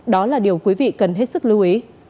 đó là điều quý vị cần hết sức lưu ý